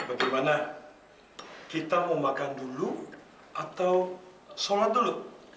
bagaimana kita mau makan dulu atau sholat dulu